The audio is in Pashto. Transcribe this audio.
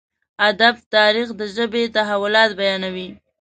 ادب تاريخ د ژبې تحولات بيانوي.